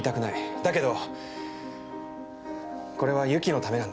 だけどこれは由紀のためなんだ。